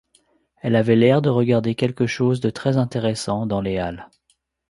Elle avait l’air de regarder quelque chose de très-intéressant, dans les Halles.